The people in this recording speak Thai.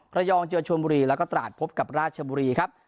ระยองเจอชวนบุรีแล้วก็ตราดพบกับราชบุรีครับ